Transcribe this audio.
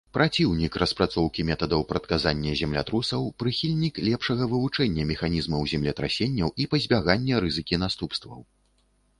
Праціўнік распрацоўкі метадаў прадказання землятрусаў, прыхільнік лепшага вывучэння механізмаў землетрасенняў і пазбягання рызыкі наступстваў.